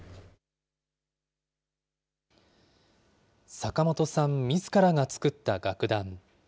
坂本さんみずからが作った楽団。